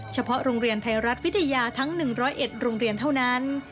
เฉพาะโรงเรียนไทยรัฐวิทยาทั้ง๑๐๑โรงเรียนเท่านั้น